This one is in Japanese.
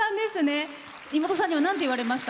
妹さんにはなんて言われました？